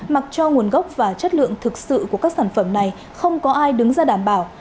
mặc cho nguồn gốc và chất lượng thực sự của các sản phẩm này không có ai đứng ra đảm bảo